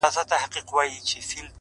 ای د نشې د سمرقند او بُخارا لوري-